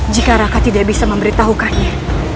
jika raka tidak bisa memberitahukannya